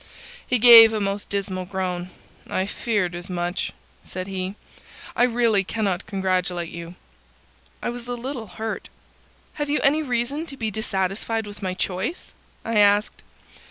He gave a most dismal groan. "I feared as much," said he. "I really cannot congratulate you." I was a little hurt. "Have you any reason to be dissatisfied with my choice?" I asked.